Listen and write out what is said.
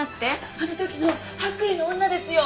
あの時の白衣の女ですよ。